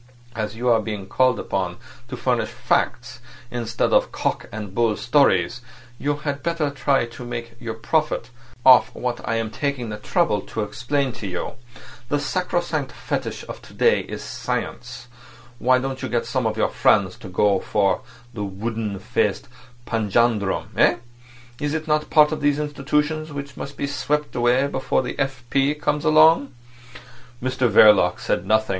As you are being called upon to furnish facts instead of cock and bull stories, you had better try to make your profit off what I am taking the trouble to explain to you. The sacrosanct fetish of to day is science. Why don't you get some of your friends to go for that wooden faced panjandrum—eh? Is it not part of these institutions which must be swept away before the F. P. comes along?" Mr Verloc said nothing.